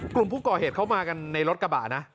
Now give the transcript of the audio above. กลุ่มผู้ก่อเหตุเข้ามากันในรถกระบะนะ